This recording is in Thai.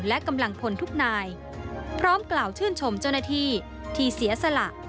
และกำลังพลทุกนายพร้อมกล่าวชื่นชมเจ้าหน้าที่ที่เสียสละ